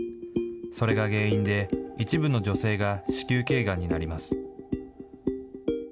それが原因で、一部の女性が子宮けいがんになります。